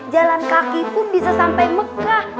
jalan kaki pun bisa sampai mekah